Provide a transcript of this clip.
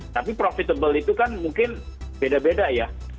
tapi profitable itu kan mungkin beda beda ya